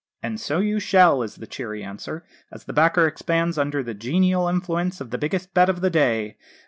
'And so you shall!' is the cheery answer, as the backer expands under the genial influence of the biggest bet of the day.